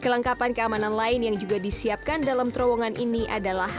kelengkapan keamanan lain yang juga disiapkan dalam terowongan ini adalah